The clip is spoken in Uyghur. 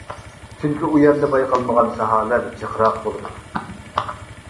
چۈنكى ئۇ يەردە بايقالمىغان ساھەلەر جىقراق بولىدۇ.